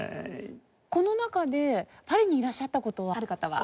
この中でパリにいらっしゃった事ある方は？